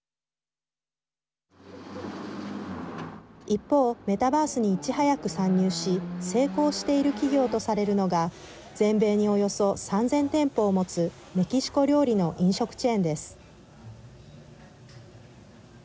一方メタバースに、いち早く参入し成功している企業とされるのが全米におよそ３０００店舗を持つメキシコ料理の飲食チェーンです。